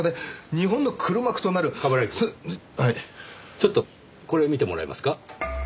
ちょっとこれ見てもらえますか？